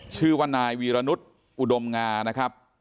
ชื่อว่านายวีรนุษย์อุดมงานะครับ